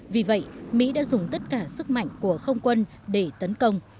vì vậy mỹ đã dùng tất cả sức mạnh của không quân để tấn công